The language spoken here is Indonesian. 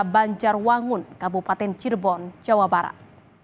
banjarwangun kabupaten cirebon jawa barat